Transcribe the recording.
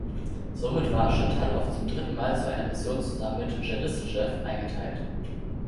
Somit war Schatalow zum dritten Mal zu einer Mission zusammen mit Jelissejew eingeteilt.